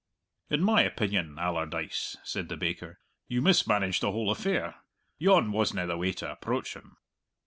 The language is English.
"In my opinion, Allardyce," said the baker, "you mismanaged the whole affair. Yon wasna the way to approach him!"